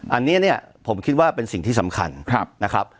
อันนี้เนี่ยผมคิดว่าเป็นสิ่งที่สำคัญนะครับ